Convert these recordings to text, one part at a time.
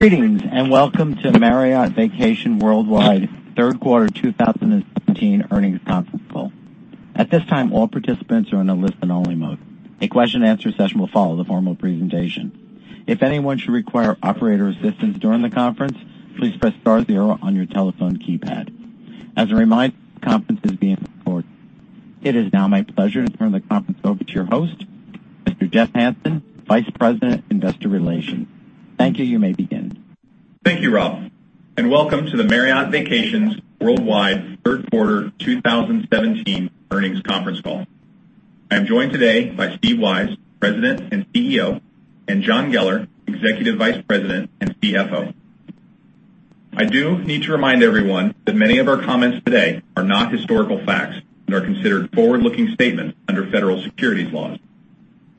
Greetings, welcome to Marriott Vacations Worldwide third quarter 2017 earnings conference call. At this time, all participants are in a listen-only mode. A question-and-answer session will follow the formal presentation. If anyone should require operator assistance during the conference, please press star zero on your telephone keypad. As a reminder, the conference is being recorded. It is now my pleasure to turn the conference over to your host, Mr. Jeff Hansen, Vice President, Investor Relations. Thank you. You may begin. Thank you, Rob, welcome to the Marriott Vacations Worldwide third quarter 2017 earnings conference call. I am joined today by Steve Weisz, President and CEO, and John Geller, Executive Vice President and CFO. I do need to remind everyone that many of our comments today are not historical facts and are considered forward-looking statements under federal securities laws.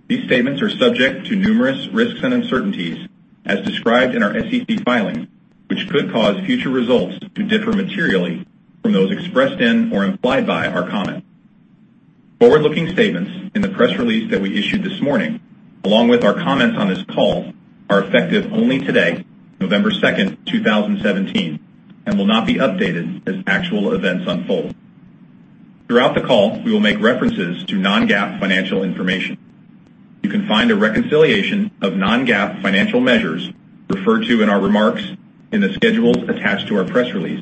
These statements are subject to numerous risks and uncertainties as described in our SEC filing, which could cause future results to differ materially from those expressed in or implied by our comments. Forward-looking statements in the press release that we issued this morning, along with our comments on this call, are effective only today, November 2nd, 2017, will not be updated as actual events unfold. Throughout the call, we will make references to non-GAAP financial information. You can find a reconciliation of non-GAAP financial measures referred to in our remarks in the schedules attached to our press release,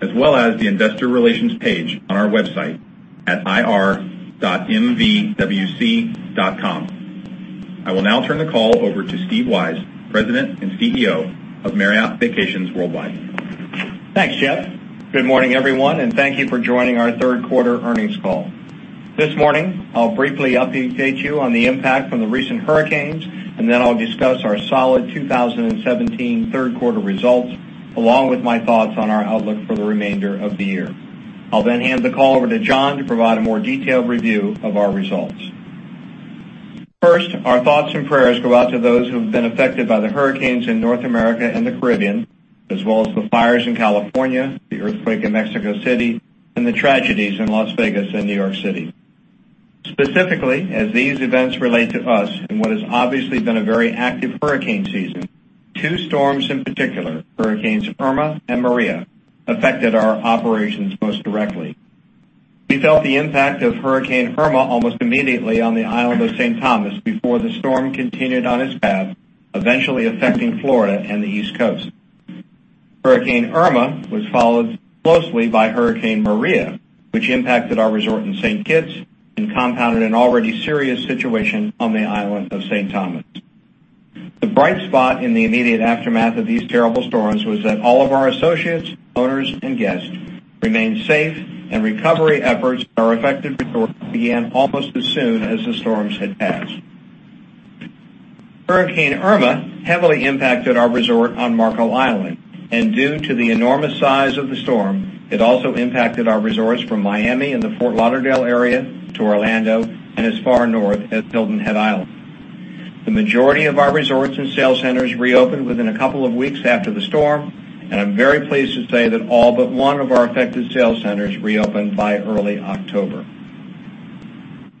as well as the investor relations page on our website at ir.mvwc.com. I will now turn the call over to Steve Weisz, President and CEO of Marriott Vacations Worldwide. Thanks, Jeff. Good morning, everyone, thank you for joining our third quarter earnings call. This morning, I'll briefly update you on the impact from the recent hurricanes, then I'll discuss our solid 2017 third quarter results, along with my thoughts on our outlook for the remainder of the year. I'll then hand the call over to John to provide a more detailed review of our results. First, our thoughts and prayers go out to those who have been affected by the hurricanes in North America and the Caribbean, as well as the fires in California, the earthquake in Mexico City, and the tragedies in Las Vegas and New York City. Specifically, as these events relate to us in what has obviously been a very active hurricane season, two storms in particular, Hurricanes Irma and Maria, affected our operations most directly. We felt the impact of Hurricane Irma almost immediately on the island of St. Thomas before the storm continued on its path, eventually affecting Florida and the East Coast. Hurricane Irma was followed closely by Hurricane Maria, which impacted our resort in St. Kitts and compounded an already serious situation on the island of St. Thomas. The bright spot in the immediate aftermath of these terrible storms was that all of our associates, owners, and guests remained safe, and recovery efforts at our affected resorts began almost as soon as the storms had passed. Hurricane Irma heavily impacted our resort on Marco Island, and due to the enormous size of the storm, it also impacted our resorts from Miami and the Fort Lauderdale area to Orlando and as far north as Hilton Head Island. The majority of our resorts and sales centers reopened within a couple of weeks after the storm, and I'm very pleased to say that all but one of our affected sales centers reopened by early October.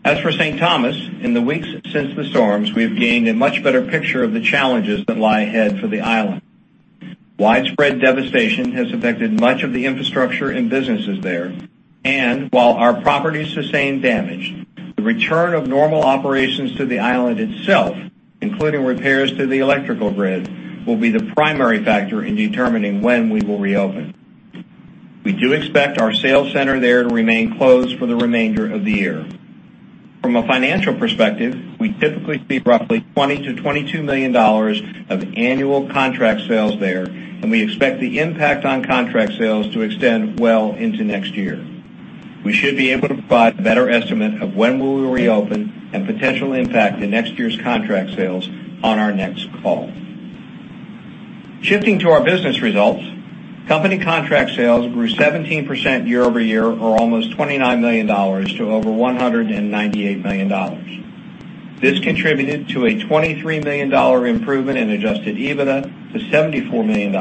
As for St. Thomas, in the weeks since the storms, we've gained a much better picture of the challenges that lie ahead for the island. Widespread devastation has affected much of the infrastructure and businesses there. While our property sustained damage, the return of normal operations to the island itself, including repairs to the electrical grid, will be the primary factor in determining when we will reopen. We do expect our sales center there to remain closed for the remainder of the year. From a financial perspective, we typically see roughly $20 million-$22 million of annual contract sales there, and we expect the impact on contract sales to extend well into next year. We should be able to provide a better estimate of when we will reopen and potentially impact the next year's contract sales on our next call. Shifting to our business results, company contract sales grew 17% year-over-year, or almost $29 million to over $198 million. This contributed to a $23 million improvement in adjusted EBITDA to $74 million,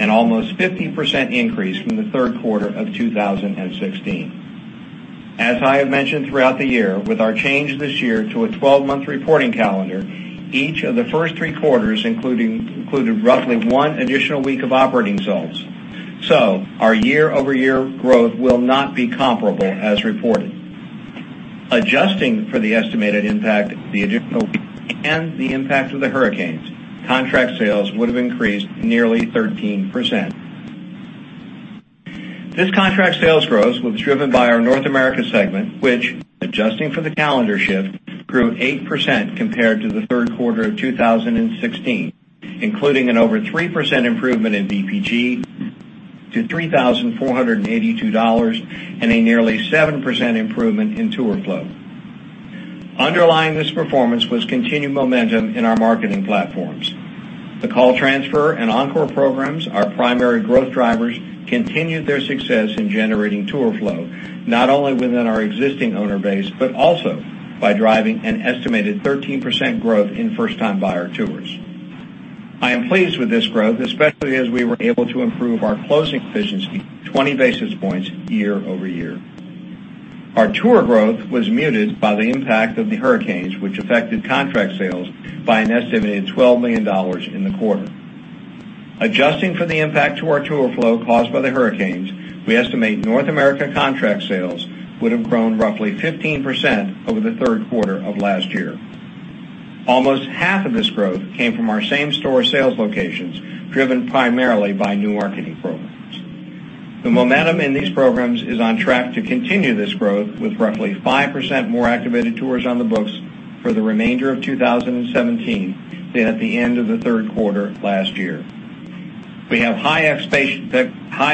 an almost 15% increase from the third quarter of 2016. As I have mentioned throughout the year, with our change this year to a 12-month reporting calendar, each of the first three quarters included roughly one additional week of operating results. So our year-over-year growth will not be comparable as reported. Adjusting for the estimated impact, the additional week, and the impact of the hurricanes, contract sales would have increased nearly 13%. This contract sales growth was driven by our North America segment, which, adjusting for the calendar shift, grew 8% compared to the third quarter of 2016, including an over 3% improvement in VPG to $3,482 and a nearly 7% improvement in tour flow. Underlying this performance was continued momentum in our marketing platforms. The call transfer and Encore programs, our primary growth drivers, continued their success in generating tour flow, not only within our existing owner base, but also by driving an estimated 13% growth in first-time buyer tours. I am pleased with this growth, especially as we were able to improve our closing efficiency 20 basis points year-over-year. Our tour growth was muted by the impact of the hurricanes, which affected contract sales by an estimated $12 million in the quarter. Adjusting for the impact to our tour flow caused by the hurricanes, we estimate North America contract sales would have grown roughly 15% over the third quarter of last year. Almost half of this growth came from our same-store sales locations, driven primarily by new marketing programs. The momentum in these programs is on track to continue this growth, with roughly 5% more activated tours on the books for the remainder of 2017 than at the end of the third quarter last year. We have high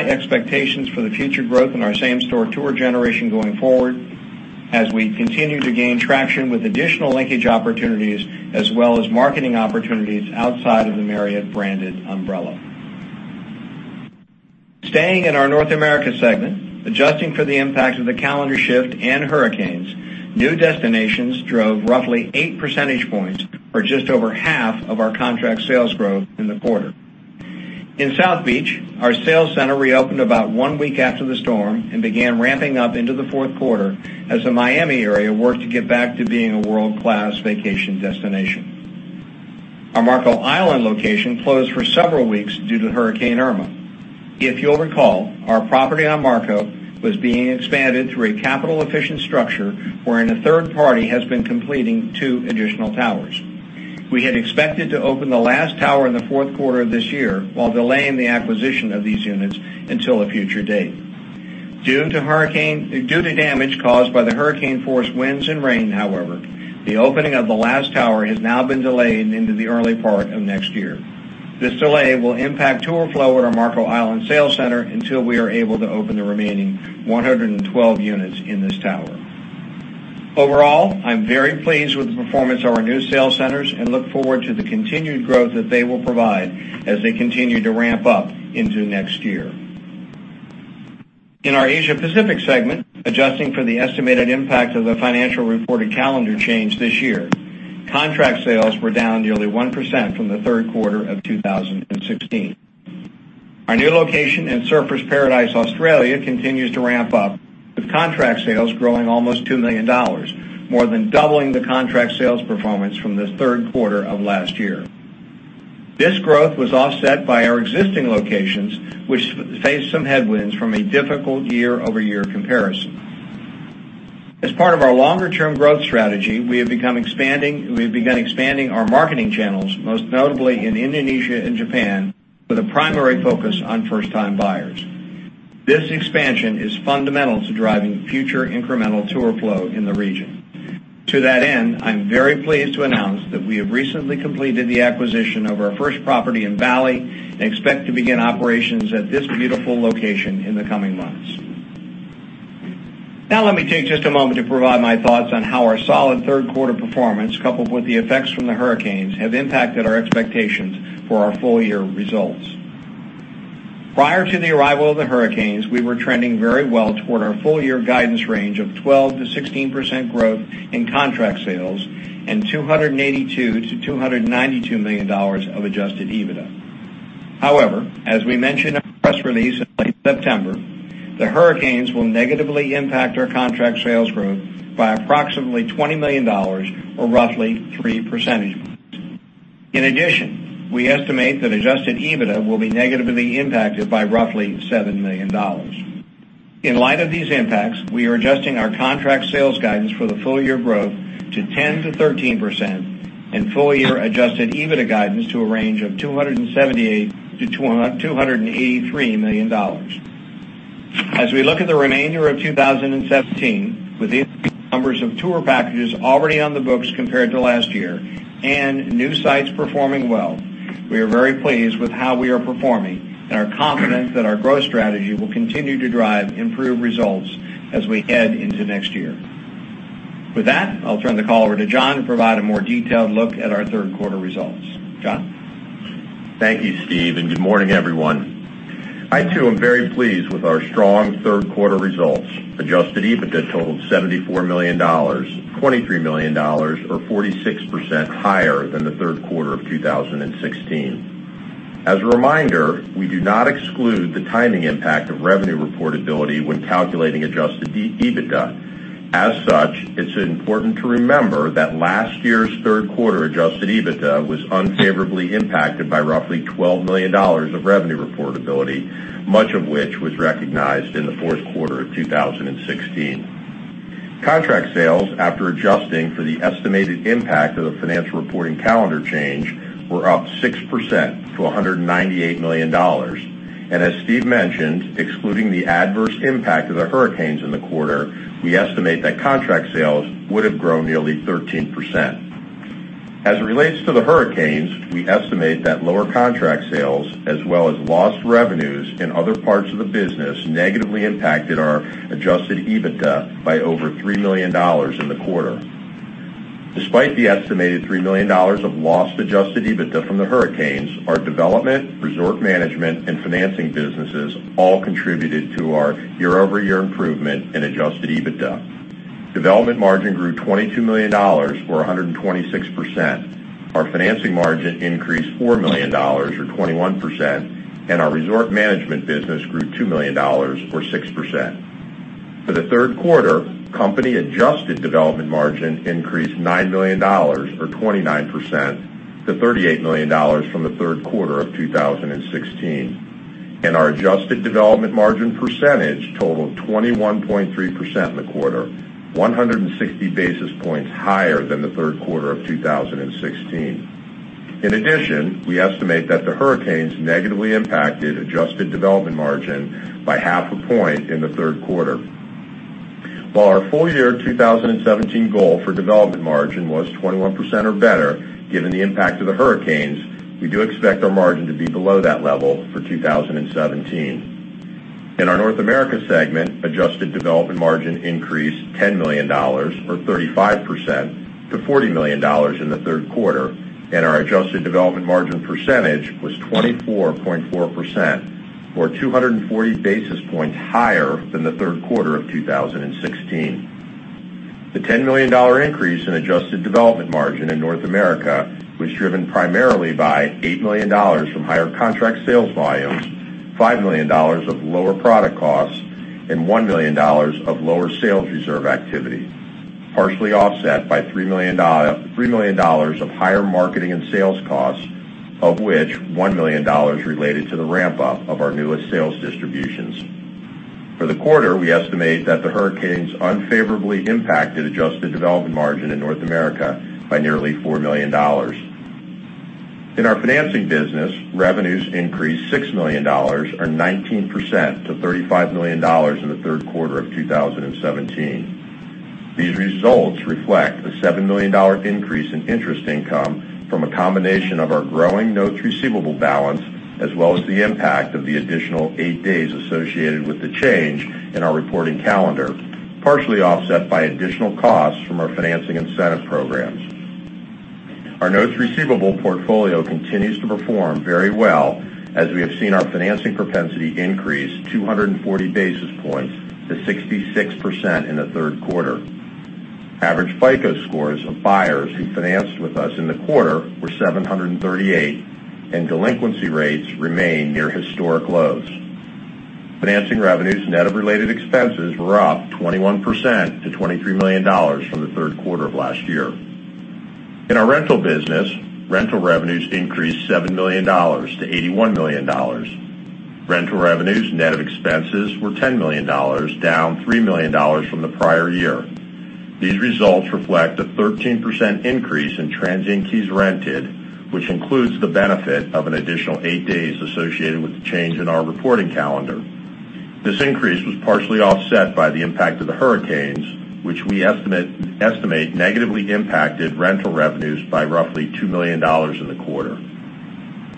expectations for the future growth in our same-store tour generation going forward as we continue to gain traction with additional linkage opportunities as well as marketing opportunities outside of the Marriott branded umbrella. Staying in our North America segment, adjusting for the impact of the calendar shift and hurricanes, new destinations drove roughly eight percentage points, or just over half of our contract sales growth in the quarter. In South Beach, our sales center reopened about one week after the storm and began ramping up into the fourth quarter as the Miami area worked to get back to being a world-class vacation destination. Our Marco Island location closed for several weeks due to Hurricane Irma. If you will recall, our property on Marco was being expanded through a capital-efficient structure wherein a third party has been completing two additional towers. We had expected to open the last tower in the fourth quarter of this year while delaying the acquisition of these units until a future date. Due to damage caused by the hurricane-force winds and rain, however, the opening of the last tower has now been delayed into the early part of next year. This delay will impact tour flow at our Marco Island sales center until we are able to open the remaining 112 units in this tower. Overall, I am very pleased with the performance of our new sales centers and look forward to the continued growth that they will provide as they continue to ramp up into next year. In our Asia Pacific segment, adjusting for the estimated impact of the financial reporting calendar change this year, contract sales were down nearly 1% from the third quarter of 2016. Our new location in Surfers Paradise, Australia, continues to ramp up, with contract sales growing almost $2 million, more than doubling the contract sales performance from the third quarter of last year. This growth was offset by our existing locations, which faced some headwinds from a difficult year-over-year comparison. As part of our longer-term growth strategy, we have begun expanding our marketing channels, most notably in Indonesia and Japan, with a primary focus on first-time buyers. This expansion is fundamental to driving future incremental tour flow in the region. To that end, I am very pleased to announce that we have recently completed the acquisition of our first property in Bali and expect to begin operations at this beautiful location in the coming months. Now let me take just a moment to provide my thoughts on how our solid third quarter performance, coupled with the effects from the Hurricanes, have impacted our expectations for our full-year results. Prior to the arrival of the Hurricanes, we were trending very well toward our full-year guidance range of 12%-16% growth in contract sales and $282 million-$292 million of adjusted EBITDA. As we mentioned in our press release in late September, the Hurricanes will negatively impact our contract sales growth by approximately $20 million, or roughly 3 percentage points. We estimate that adjusted EBITDA will be negatively impacted by roughly $7 million. In light of these impacts, we are adjusting our contract sales guidance for the full-year growth to 10%-13% and full-year adjusted EBITDA guidance to a range of $278 million-$283 million. As we look at the remainder of 2017 with increased numbers of tour packages already on the books compared to last year and new sites performing well, we are very pleased with how we are performing and are confident that our growth strategy will continue to drive improved results as we head into next year. With that, I'll turn the call over to John to provide a more detailed look at our third quarter results. John? Thank you, Steve, and good morning, everyone. I too am very pleased with our strong third quarter results. Adjusted EBITDA totaled $74 million, $23 million, or 46% higher than the third quarter of 2016. As a reminder, we do not exclude the timing impact of revenue reportability when calculating adjusted EBITDA. It's important to remember that last year's third quarter adjusted EBITDA was unfavorably impacted by roughly $12 million of revenue reportability, much of which was recognized in the fourth quarter of 2016. Contract sales, after adjusting for the estimated impact of the financial reporting calendar change, were up 6% to $198 million. As Steve mentioned, excluding the adverse impact of the Hurricanes in the quarter, we estimate that contract sales would have grown nearly 13%. As it relates to the Hurricanes, we estimate that lower contract sales as well as lost revenues in other parts of the business negatively impacted our adjusted EBITDA by over $3 million in the quarter. Despite the estimated $3 million of lost adjusted EBITDA from the Hurricanes, our development, resort management, and financing businesses all contributed to our year-over-year improvement in adjusted EBITDA. Development margin grew $22 million, or 126%. Our financing margin increased $4 million, or 21%, and our resort management business grew $2 million, or 6%. For the third quarter, company-adjusted development margin increased $9 million or 29%, to $38 million from the third quarter of 2016, and our adjusted development margin percentage totaled 21.3% in the quarter, 160 basis points higher than the third quarter of 2016. We estimate that the Hurricanes negatively impacted adjusted development margin by half a point in the third quarter. While our full year 2017 goal for development margin was 21% or better, given the impact of the hurricanes, we do expect our margin to be below that level for 2017. In our North America segment, adjusted development margin increased $10 million, or 35%, to $40 million in the third quarter, and our adjusted development margin percentage was 24.4%, or 240 basis points higher than the third quarter of 2016. The $10 million increase in adjusted development margin in North America was driven primarily by $8 million from higher contract sales volumes, $5 million of lower product costs, and $1 million of lower sales reserve activity, partially offset by $3 million of higher marketing and sales costs, of which $1 million related to the ramp-up of our newest sales distributions. For the quarter, we estimate that the hurricanes unfavorably impacted adjusted development margin in North America by nearly $4 million. In our financing business, revenues increased $6 million, or 19%, to $35 million in the third quarter of 2017. These results reflect a $7 million increase in interest income from a combination of our growing notes receivable balance, as well as the impact of the additional eight days associated with the change in our reporting calendar, partially offset by additional costs from our financing incentive programs. Our notes receivable portfolio continues to perform very well, as we have seen our financing propensity increase 240 basis points to 66% in the third quarter. Average FICO scores of buyers who financed with us in the quarter were 738, and delinquency rates remain near historic lows. Financing revenues, net of related expenses, were up 21% to $23 million from the third quarter of last year. In our rental business, rental revenues increased $7 million to $81 million. Rental revenues, net of expenses were $10 million, down $3 million from the prior year. These results reflect a 13% increase in transient keys rented, which includes the benefit of an additional eight days associated with the change in our reporting calendar. This increase was partially offset by the impact of the hurricanes, which we estimate negatively impacted rental revenues by roughly $2 million in the quarter.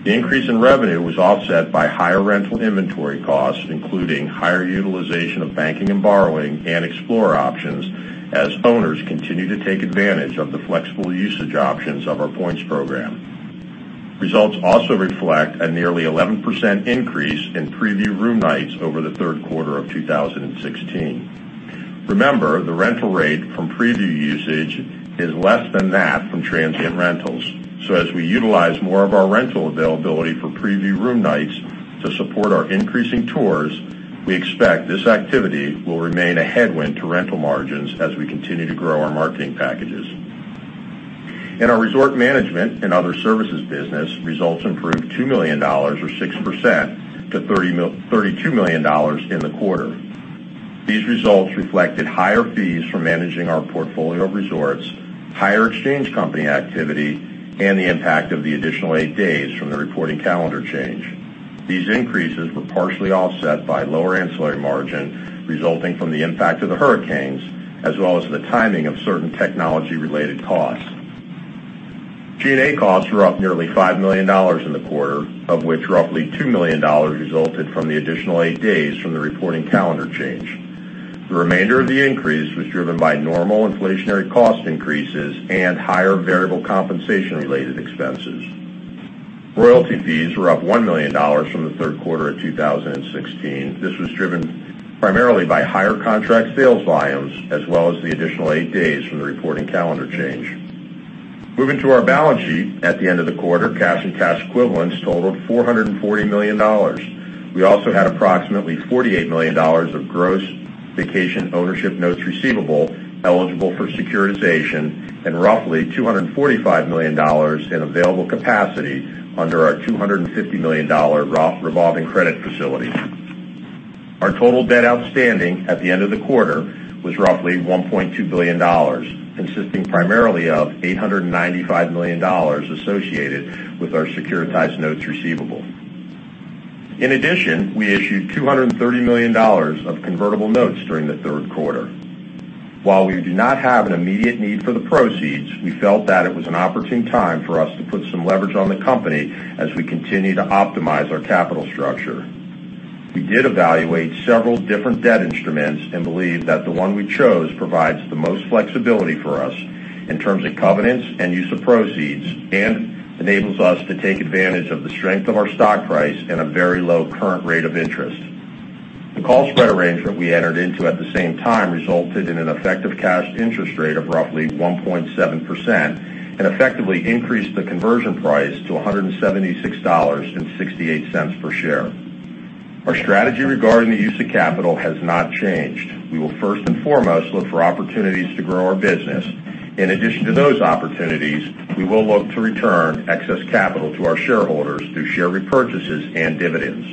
The increase in revenue was offset by higher rental inventory costs, including higher utilization of banking and borrowing and Explorer options as owners continue to take advantage of the flexible usage options of our points program. Results also reflect a nearly 11% increase in preview room nights over the third quarter of 2016. Remember, the rental rate from preview usage is less than that from transient rentals. As we utilize more of our rental availability for preview room nights to support our increasing tours, we expect this activity will remain a headwind to rental margins as we continue to grow our marketing packages. In our resort management and other services business, results improved $2 million or 6% to $32 million in the quarter. These results reflected higher fees for managing our portfolio of resorts, higher exchange company activity, and the impact of the additional eight days from the reporting calendar change. These increases were partially offset by lower ancillary margin resulting from the impact of the hurricanes, as well as the timing of certain technology-related costs. G&A costs were up nearly $5 million in the quarter, of which roughly $2 million resulted from the additional eight days from the reporting calendar change. The remainder of the increase was driven by normal inflationary cost increases and higher variable compensation-related expenses. Royalty fees were up $1 million from the third quarter of 2016. This was driven primarily by higher contract sales volumes as well as the additional eight days from the reporting calendar change. Moving to our balance sheet. At the end of the quarter, cash and cash equivalents totaled $440 million. We also had approximately $48 million of gross vacation ownership notes receivable eligible for securitization and roughly $245 million in available capacity under our $250 million revolving credit facility. Our total debt outstanding at the end of the quarter was roughly $1.2 billion, consisting primarily of $895 million associated with our securitized notes receivable. We issued $230 million of convertible notes during the third quarter. While we do not have an immediate need for the proceeds, we felt that it was an opportune time for us to put some leverage on the company as we continue to optimize our capital structure. We did evaluate several different debt instruments and believe that the one we chose provides the most flexibility for us in terms of covenants and use of proceeds and enables us to take advantage of the strength of our stock price and a very low current rate of interest. The call spread arrangement we entered into at the same time resulted in an effective cash interest rate of roughly 1.7% and effectively increased the conversion price to $176.68 per share. Our strategy regarding the use of capital has not changed. We will first and foremost look for opportunities to grow our business. To those opportunities, we will look to return excess capital to our shareholders through share repurchases and dividends.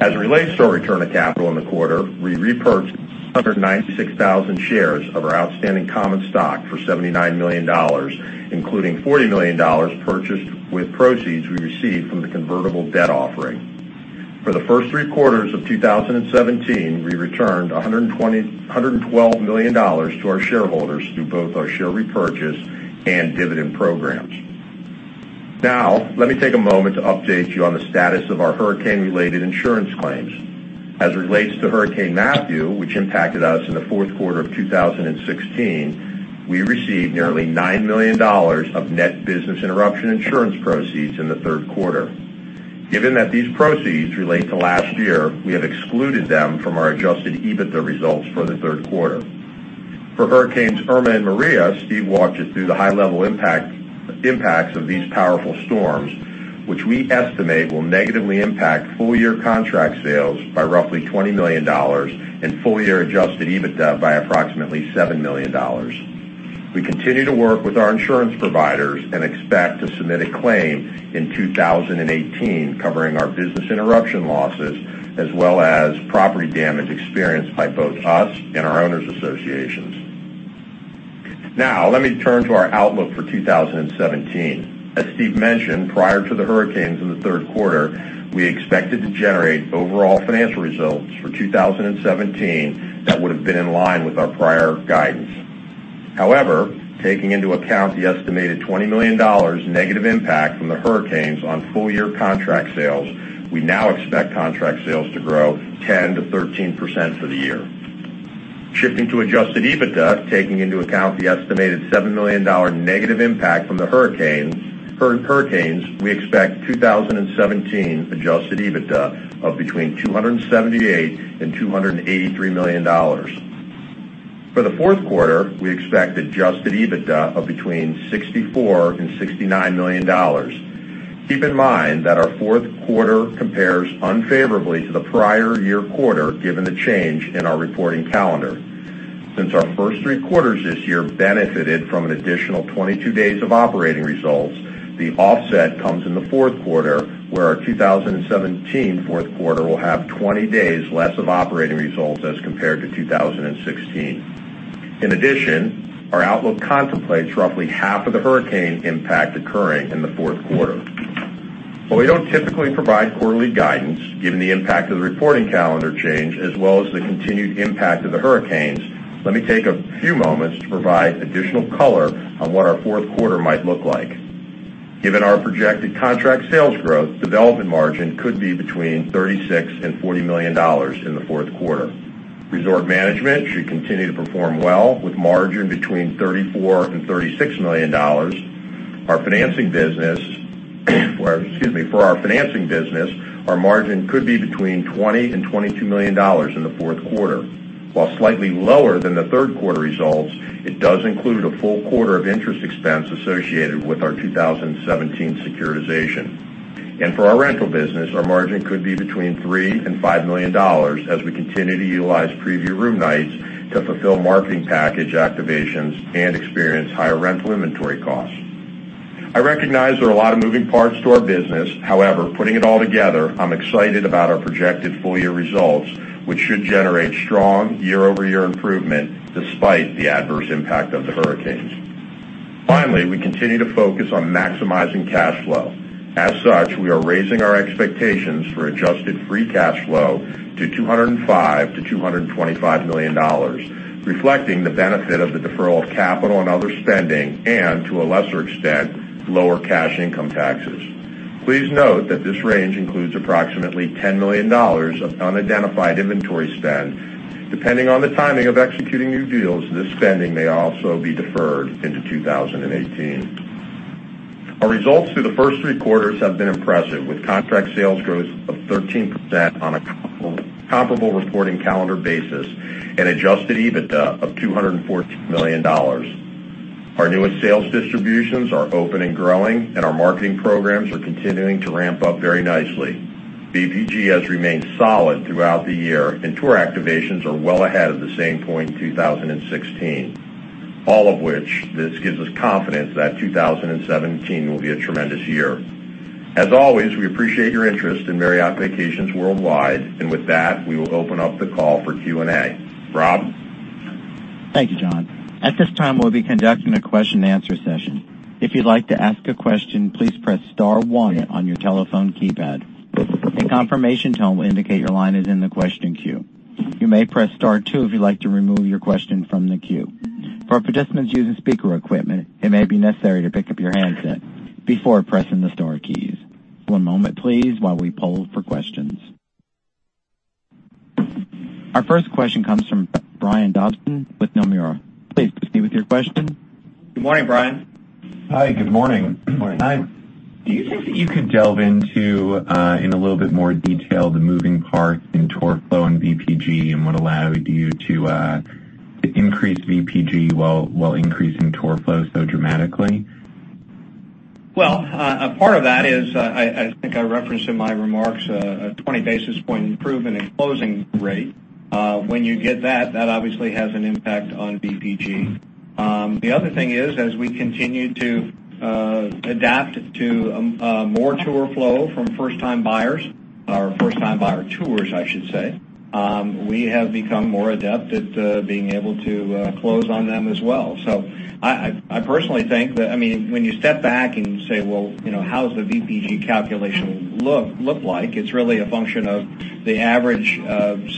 As it relates to our return of capital in the quarter, we repurchased 196,000 shares of our outstanding common stock for $79 million, including $40 million purchased with proceeds we received from the convertible debt offering. For the first three quarters of 2017, we returned $112 million to our shareholders through both our share repurchase and dividend programs. Let me take a moment to update you on the status of our hurricane-related insurance claims. As it relates to Hurricane Matthew, which impacted us in the fourth quarter of 2016, we received nearly $9 million of net business interruption insurance proceeds in the third quarter. Given that these proceeds relate to last year, we have excluded them from our adjusted EBITDA results for the third quarter. For Hurricanes Irma and Maria, Steve walked us through the high-level impacts of these powerful storms, which we estimate will negatively impact full-year contract sales by roughly $20 million and full-year adjusted EBITDA by approximately $7 million. We continue to work with our insurance providers and expect to submit a claim in 2018 covering our business interruption losses, as well as property damage experienced by both us and our owners associations. Let me turn to our outlook for 2017. As Steve mentioned, prior to the hurricanes in the third quarter, we expected to generate overall financial results for 2017 that would have been in line with our prior guidance. Taking into account the estimated $20 million negative impact from the hurricanes on full-year contract sales, we now expect contract sales to grow 10%-13% for the year. Shifting to adjusted EBITDA, taking into account the estimated $7 million negative impact from the hurricanes, we expect 2017 adjusted EBITDA of between $278 million and $283 million. For the fourth quarter, we expect adjusted EBITDA of between $64 million and $69 million. Keep in mind that our fourth quarter compares unfavorably to the prior year quarter, given the change in our reporting calendar. Since our first three quarters this year benefited from an additional 22 days of operating results, the offset comes in the fourth quarter, where our 2017 fourth quarter will have 20 days less of operating results as compared to 2016. In addition, our outlook contemplates roughly half of the hurricane impact occurring in the fourth quarter. While we don't typically provide quarterly guidance, given the impact of the reporting calendar change as well as the continued impact of the hurricanes, let me take a few moments to provide additional color on what our fourth quarter might look like. Given our projected contract sales growth, development margin could be between $36 million and $40 million in the fourth quarter. Resort management should continue to perform well with margin between $34 million and $36 million. For our financing business, our margin could be between $20 million and $22 million in the fourth quarter. While slightly lower than the third quarter results, it does include a full quarter of interest expense associated with our 2017 securitization. For our rental business, our margin could be between $3 million and $5 million as we continue to utilize preview room nights to fulfill marketing package activations and experience higher rental inventory costs. I recognize there are a lot of moving parts to our business. However, putting it all together, I'm excited about our projected full-year results, which should generate strong year-over-year improvement despite the adverse impact of the hurricanes. Finally, we continue to focus on maximizing cash flow. As such, we are raising our expectations for adjusted free cash flow to $205 million to $225 million, reflecting the benefit of the deferral of capital and other spending and, to a lesser extent, lower cash income taxes. Please note that this range includes approximately $10 million of unidentified inventory spend. Depending on the timing of executing new deals, this spending may also be deferred into 2018. Our results through the first three quarters have been impressive, with contract sales growth of 13% on a comparable reporting calendar basis and adjusted EBITDA of $214 million. Our newest sales distributions are open and growing, our marketing programs are continuing to ramp up very nicely. VPG has remained solid throughout the year, and tour activations are well ahead of the same point in 2016. All of which, this gives us confidence that 2017 will be a tremendous year. As always, we appreciate your interest in Marriott Vacations Worldwide, with that, we will open up the call for Q&A. Rob? Thank you, John. At this time, we'll be conducting a question and answer session. If you'd like to ask a question, please press star one on your telephone keypad. A confirmation tone will indicate your line is in the question queue. You may press star two if you'd like to remove your question from the queue. For participants using speaker equipment, it may be necessary to pick up your handset before pressing the star keys. One moment, please, while we poll for questions. Our first question comes from Brian Dobson with Nomura. Please proceed with your question. Good morning, Brian. Hi. Good morning. Good morning. Do you think that you could delve into, in a little bit more detail, the moving parts in tour flow and VPG, and what allowed you to increase VPG while increasing tour flow so dramatically? Well, a part of that is, I think I referenced in my remarks, a 20-basis-point improvement in closing rate. When you get that obviously has an impact on VPG. The other thing is, as we continue to adapt to more tour flow from first-time buyers or first-time buyer tours, I should say, we have become more adept at being able to close on them as well. I personally think that when you step back and say, "Well, how's the VPG calculation look like?" It's really a function of the average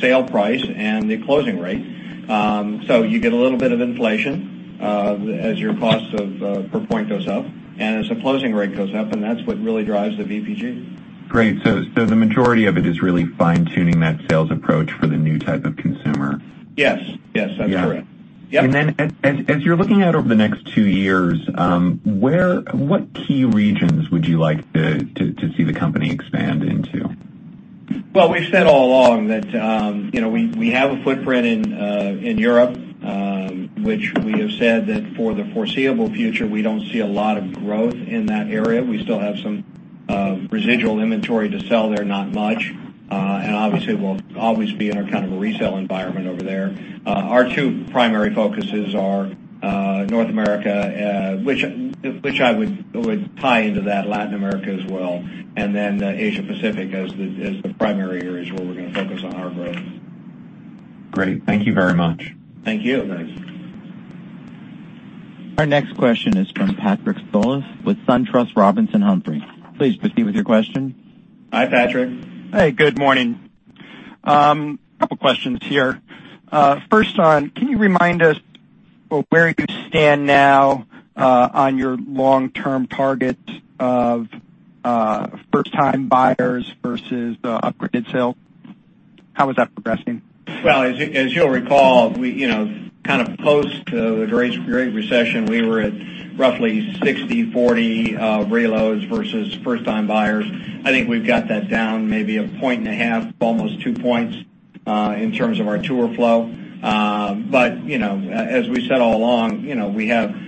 sale price and the closing rate. You get a little bit of inflation as your cost per point goes up, and as the closing rate goes up, and that's what really drives the VPG. Great. The majority of it is really fine-tuning that sales approach for the new type of consumer. Yes. That's correct. Yeah. Yep. Then as you're looking out over the next two years, what key regions would you like to see the company expand into? Well, we've said all along that we have a footprint in Europe, which we have said that for the foreseeable future, we don't see a lot of growth in that area. We still have some residual inventory to sell there, not much. Obviously, we'll always be in a kind of a resale environment over there. Our two primary focuses are North America, which I would tie into that Latin America as well, then Asia Pacific as the primary areas where we're going to focus on our growth. Great. Thank you very much. Thank you. Thanks. Our next question is from Patrick Scholes with SunTrust Robinson Humphrey. Please proceed with your question. Hi, Patrick. Hey, good morning. Couple of questions here. First on, can you remind us where you stand now on your long-term targets of first-time buyers versus the upgraded sale? How is that progressing? Well, as you'll recall, kind of post the Great Recession, we were at roughly 60/40 reloads versus first-time buyers. I think we've got that down maybe a point and a half, almost two points, in terms of our tour flow. As we said all along,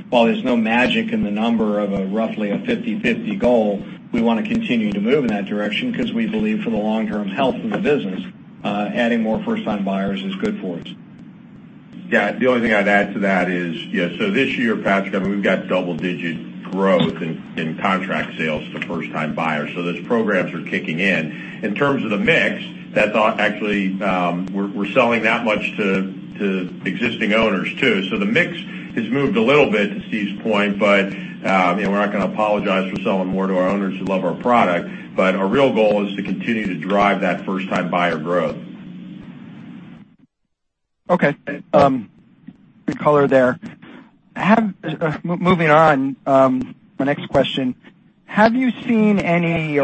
while there's no magic in the number of a roughly a 50/50 goal, we want to continue to move in that direction because we believe for the long-term health of the business, adding more first-time buyers is good for us. Yeah. The only thing I'd add to that is, this year, Patrick, I mean, we've got double-digit growth in contract sales to first-time buyers. Those programs are kicking in. In terms of the mix, that's not actually. We're selling that much to existing owners too. The mix has moved a little bit to Steve's point, we're not going to apologize for selling more to our owners who love our product. Our real goal is to continue to drive that first-time buyer growth. Okay. Good color there. Moving on, my next question, have you seen any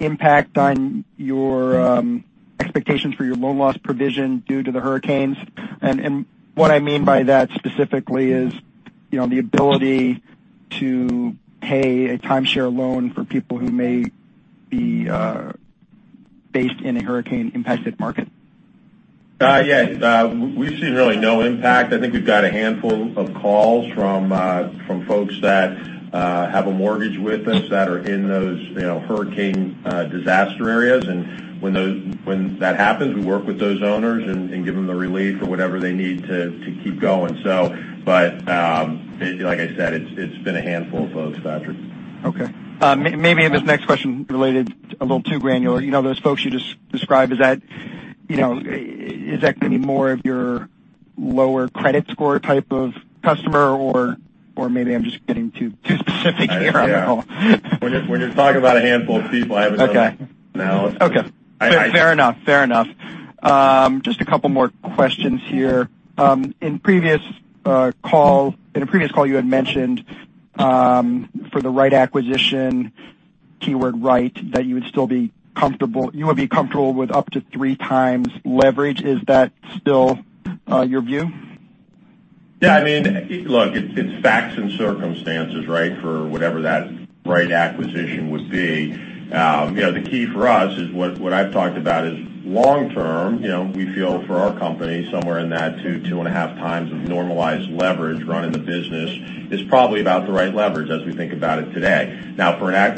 impact on your expectations for your loan loss provision due to the hurricanes? What I mean by that specifically is the ability to pay a timeshare loan for people who may be based in a hurricane-impacted market. Yeah. We've seen really no impact. I think we've got a handful of calls from folks that have a mortgage with us that are in those hurricane disaster areas. When that happens, we work with those owners and give them the relief or whatever they need to keep going. Like I said, it's been a handful of folks, Patrick. Okay. Maybe this next question related a little too granular. Those folks you just described, is that going to be more of your lower credit score type of customer, or maybe I'm just getting too specific here on the call? When you're talking about a handful of people. Okay. No. Okay. Fair enough. Just a couple more questions here. In a previous call you had mentioned for the right acquisition, keyword right, that you would be comfortable with up to three times leverage. Is that still your view? Yeah, I mean, look, it's facts and circumstances for whatever that right acquisition would be. The key for us is what I've talked about is long term, we feel for our company, somewhere in that two and a half times of normalized leverage running the business is probably about the right leverage as we think about it today.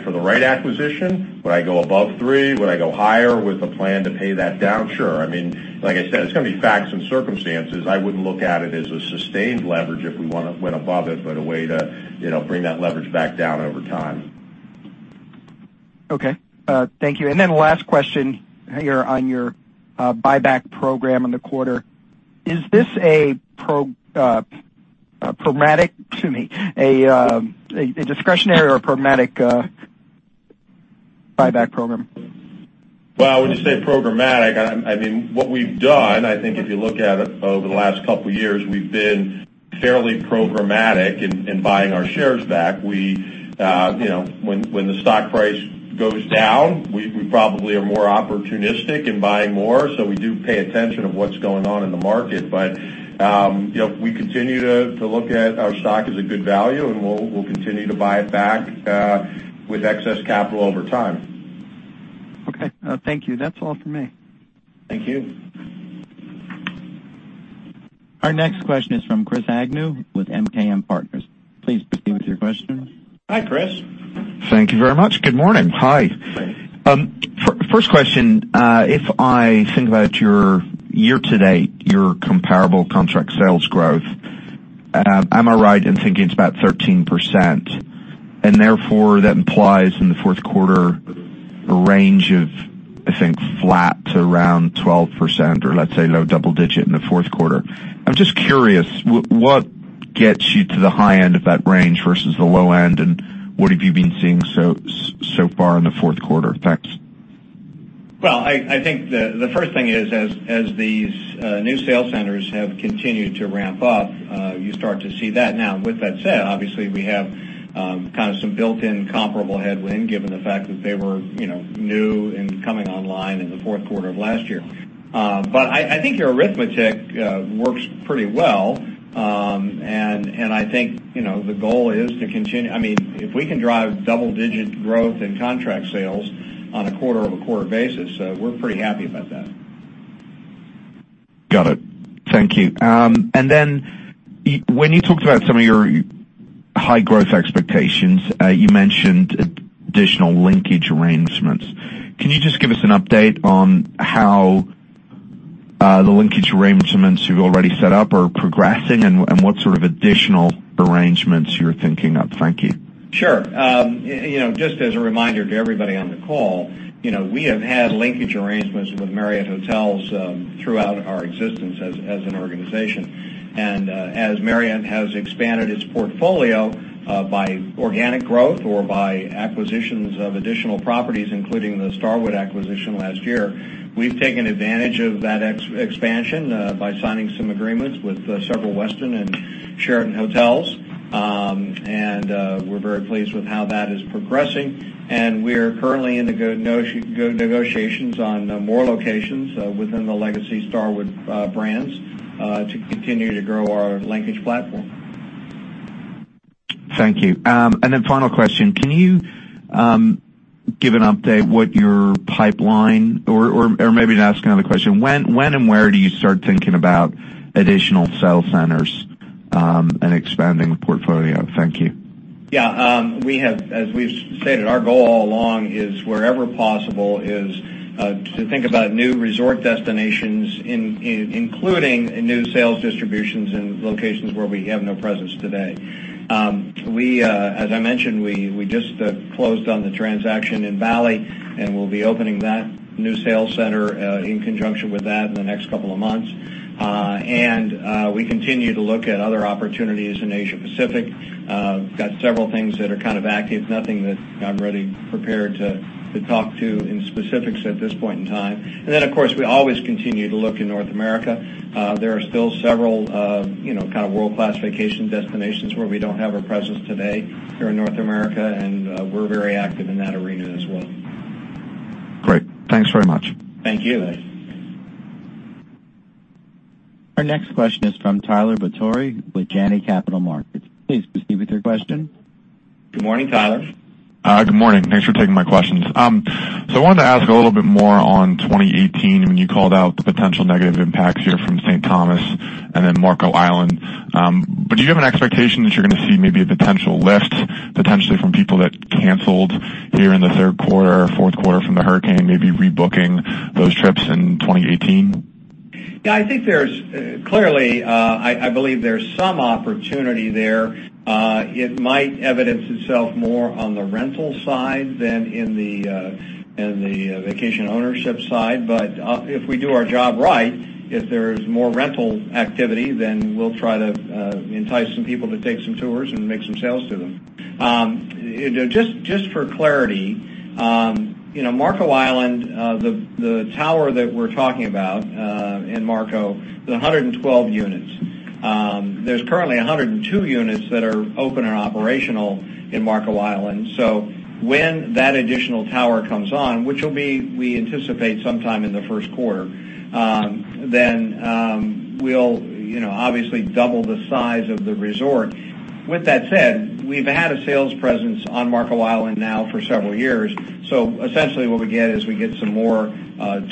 For the right acquisition, would I go above three? Would I go higher with a plan to pay that down? Sure. I mean, like I said, it's going to be facts and circumstances. I wouldn't look at it as a sustained leverage if we went above it, but a way to bring that leverage back down over time. Okay. Thank you. Last question here on your buyback program in the quarter. Is this a discretionary or a programmatic buyback program? Well, when you say programmatic, I mean, what we've done, I think if you look at it over the last couple of years, we've been. Fairly programmatic in buying our shares back. When the stock price goes down, we probably are more opportunistic in buying more. We do pay attention of what's going on in the market. We continue to look at our stock as a good value, and we'll continue to buy it back with excess capital over time. Okay. Thank you. That's all for me. Thank you. Our next question is from Chris Agnew with MKM Partners. Please proceed with your question. Hi, Chris. Thank you very much. Good morning. Hi. Hi. First question. If I think about your year-to-date, your comparable contract sales growth, am I right in thinking it's about 13%? Therefore, that implies in the fourth quarter a range of, I think, flat to around 12%, or let's say low double digit in the fourth quarter. I'm just curious, what gets you to the high end of that range versus the low end, what have you been seeing so far in the fourth quarter? Thanks. I think the first thing is, as these new sales centers have continued to ramp up, you start to see that now. With that said, obviously, we have kind of some built-in comparable headwind given the fact that they were new and coming online in the fourth quarter of last year. I think your arithmetic works pretty well, and I think the goal is to continue. If we can drive double-digit growth in contract sales on a quarter-over-quarter basis, we're pretty happy about that. Got it. Thank you. When you talked about some of your high growth expectations, you mentioned additional linkage arrangements. Can you just give us an update on how the linkage arrangements you've already set up are progressing and what sort of additional arrangements you're thinking of? Thank you. Sure. Just as a reminder to everybody on the call, we have had linkage arrangements with Marriott Hotels throughout our existence as an organization. As Marriott has expanded its portfolio by organic growth or by acquisitions of additional properties, including the Starwood acquisition last year, we've taken advantage of that expansion by signing some agreements with several Westin and Sheraton Hotels. We're very pleased with how that is progressing, and we are currently in the negotiations on more locations within the Legacy Starwood brands to continue to grow our linkage platform. Thank you. Final question, can you give an update what your pipeline, or maybe to ask another question, when and where do you start thinking about additional sale centers and expanding the portfolio? Thank you. Yeah. As we've stated, our goal all along is wherever possible is to think about new resort destinations, including new sales distributions in locations where we have no presence today. As I mentioned, we just closed on the transaction in Bali, and we'll be opening that new sales center in conjunction with that in the next couple of months. We continue to look at other opportunities in Asia Pacific. Got several things that are kind of active. Nothing that I'm really prepared to talk to in specifics at this point in time. Of course, we always continue to look in North America. There are still several kind of world-class vacation destinations where we don't have a presence today here in North America, and we're very active in that arena as well. Great. Thanks very much. Thank you. Our next question is from Tyler Batory with Janney Capital Markets. Please proceed with your question. Good morning, Tyler. Good morning. Thanks for taking my questions. I wanted to ask a little bit more on 2018 when you called out the potential negative impacts here from St. Thomas and then Marco Island. Do you have an expectation that you're going to see maybe a potential lift, potentially from people that canceled here in the third quarter or fourth quarter from the Hurricane, maybe rebooking those trips in 2018? Clearly, I believe there's some opportunity there. It might evidence itself more on the rental side than in the vacation ownership side. If we do our job right, if there's more rental activity, then we'll try to entice some people to take some tours and make some sales to them. Just for clarity, Marco Island, the tower that we're talking about in Marco is 112 units. There's currently 102 units that are open and operational in Marco Island. When that additional tower comes on, which will be, we anticipate, sometime in the first quarter, then we'll obviously double the size of the resort. With that said, we've had a sales presence on Marco Island now for several years. Essentially, what we get is we get some more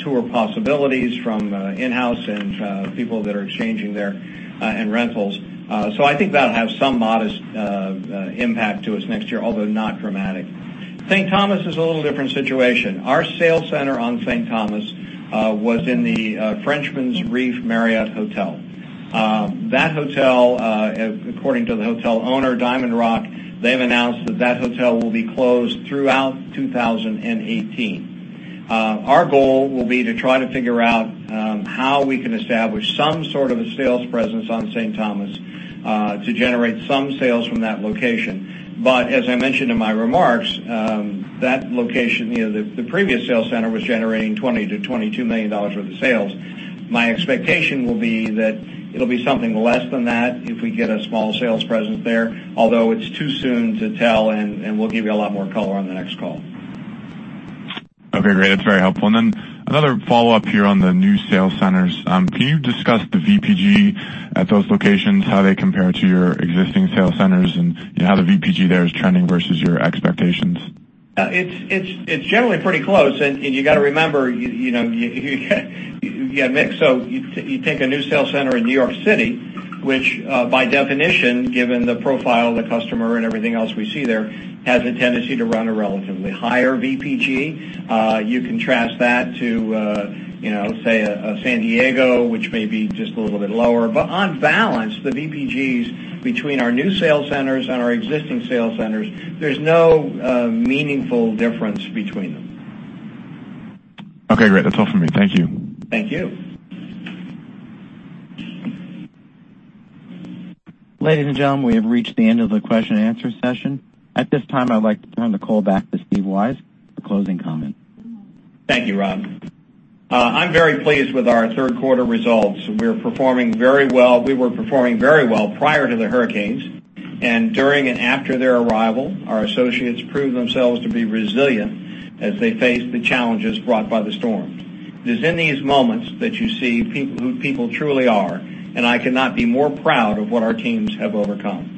tour possibilities from in-house and people that are exchanging there and rentals. I think that'll have some modest impact to us next year, although not dramatic. St. Thomas is a little different situation. Our sales center on St. Thomas was in the Frenchman's Reef Marriott Hotel. That hotel, according to the hotel owner, DiamondRock, they've announced that that hotel will be closed throughout 2018. Our goal will be to try to figure out how we can establish some sort of a sales presence on St. Thomas to generate some sales from that location. As I mentioned in my remarks, that location, the previous sales center was generating $20 million-$22 million worth of sales. My expectation will be that it'll be something less than that if we get a small sales presence there, although it's too soon to tell, and we'll give you a lot more color on the next call. Okay, great. That's very helpful. Another follow-up here on the new sales centers. Can you discuss the VPG at those locations, how they compare to your existing sales centers, and how the VPG there is trending versus your expectations? It's generally pretty close, and you got to remember, you have mix. You take a new sales center in New York City, which by definition, given the profile of the customer and everything else we see there, has a tendency to run a relatively higher VPG. You contrast that to, let's say, a San Diego, which may be just a little bit lower. On balance, the VPGs between our new sales centers and our existing sales centers, there's no meaningful difference between them. Okay, great. That's all for me. Thank you. Thank you. Ladies and gentlemen, we have reached the end of the question and answer session. At this time, I would like to turn the call back to Steve Weisz for closing comment. Thank you, Rob. I'm very pleased with our third quarter results. We were performing very well prior to the hurricanes, and during and after their arrival, our associates proved themselves to be resilient as they faced the challenges brought by the storm. It is in these moments that you see who people truly are, and I cannot be more proud of what our teams have overcome.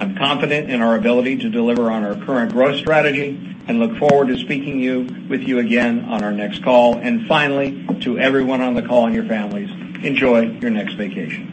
I'm confident in our ability to deliver on our current growth strategy and look forward to speaking with you again on our next call. Finally, to everyone on the call and your families, enjoy your next vacation